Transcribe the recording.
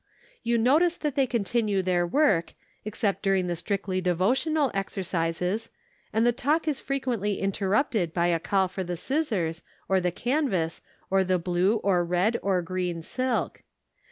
You notice that they continue their work, ex cept during the strictly devotional exercises, and the talk is frequently interrupted by a call for the scissors, or the canvas, or the blue, or red, or green silk.